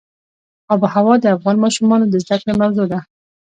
آب وهوا د افغان ماشومانو د زده کړې موضوع ده.